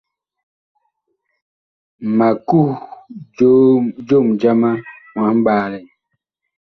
Ma kuh jom jama mwahɓaalɛn.